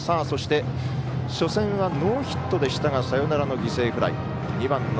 そして、初戦はノーヒットでしたがサヨナラの犠牲フライ。